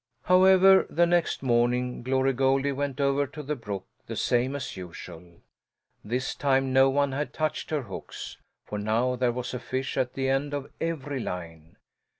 However, the next morning Glory Goldie went over to the brook the same as usual. This time no one had touched her hooks, for now there was a fish at the end of every line.